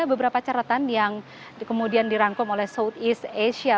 ada beberapa catatan yang kemudian dirangkum oleh south east asia